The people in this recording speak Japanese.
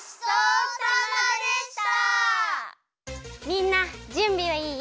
みんなじゅんびはいい？